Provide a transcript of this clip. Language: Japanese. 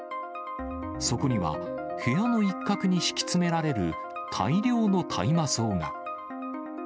そこには、部屋の一角に敷き詰められる大量の大麻草が。